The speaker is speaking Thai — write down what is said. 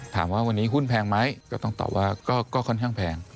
ถามว่าวันนี้หุ้นแพงไหมก็ต้องตอบว่าก็ค่อนข้างแพง